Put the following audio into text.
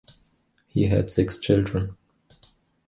He had six children.